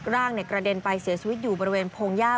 ร่างกระเด็นไปเสียชีวิตอยู่บริเวณพงหญ้า